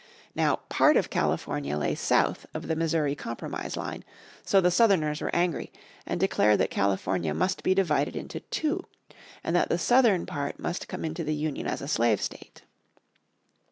Now part of California lay south of the Missouri Compromise Line, so the Southerners were angry, and declared that California must be divided into two, and that the Southern part must come into the Union as a slave state.